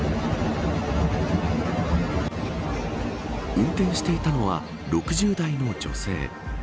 運転していたのは６０代の女性。